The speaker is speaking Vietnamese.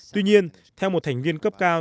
tuy nhiên theo một thành viên cấp cao